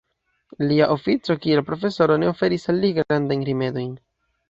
Lia ofico kiel profesoro ne oferis al li grandajn rimedojn.